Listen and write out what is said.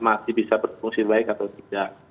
masih bisa berfungsi baik atau tidak